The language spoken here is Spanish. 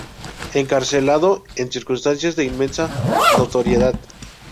Encarcelado en circunstancias de inmensa notoriedad.